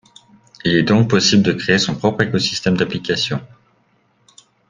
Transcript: Il est donc possible de créer son propre écosystème d’applications.